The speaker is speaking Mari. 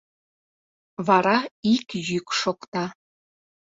Вара ик йӱк шокта: